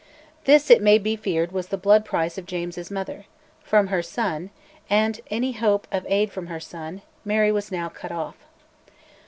This, it may be feared, was the blood price of James's mother: from her son, and any hope of aid from her son, Mary was now cut off.